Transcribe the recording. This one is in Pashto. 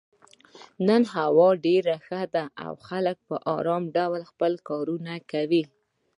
نن هوا ډېره ښه ده او خلک په ارام ډول خپل کارونه کوي.